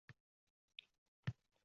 Endi navbat sho’x laparlar guldastasiga